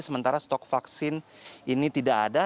sementara stok vaksin ini tidak ada